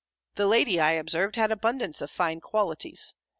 The lady, I observed, had abundance of fine qualities.